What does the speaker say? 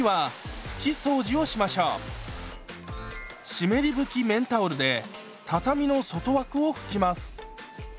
湿り拭き綿タオルで畳の外枠を拭きます。